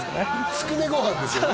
つくねご飯ですよね